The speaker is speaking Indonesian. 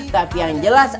tapi yang jelas